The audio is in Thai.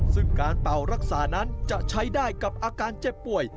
ซึ่งการเป่ารักษานั้นจะใช้ได้กับอาการเจ็บป่วย